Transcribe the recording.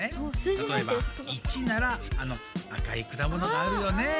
たとえば１ならあのあかいくだものがあるよね。